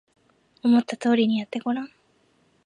思った通りにやってごらん